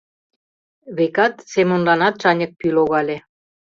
Векат, Семонланат шаньык пӱй логале.